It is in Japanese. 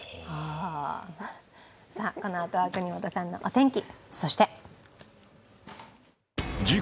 このあとは國本さんのお天気。